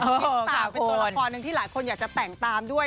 คลิปต่างเป็นตัวละครหนึ่งที่หลายคนอยากจะแต่งตามด้วย